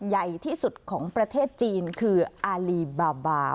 ใหญ่ที่สุดของประเทศจีนคืออารีบาบา